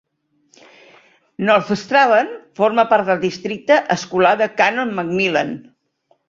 North Strabane forma part del districte escolar de Canon-McMillan.